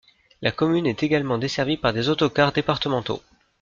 La commune est également desservie par des autocars départementaux.